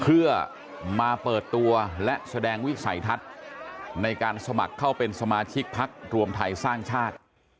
เพื่อมาเปิดตัวและแสดงวิสัยทัศน์ในการสมัครเข้าเป็นสมาชิกพักรวมไทยสร้างชาติ